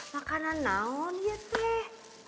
makanan naon ya teh